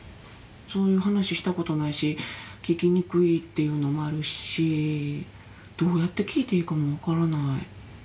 そういう話したことないし聞きにくいっていうのもあるしどうやって聞いていいかも分からない。